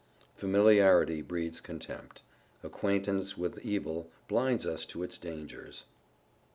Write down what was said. Familiarity breeds contempt. _Acquaintance with evil blinds us to its dangers.